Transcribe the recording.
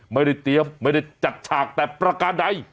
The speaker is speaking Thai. ไม่ได้เตรียมไม่ได้จัดฉากแต่ประการใด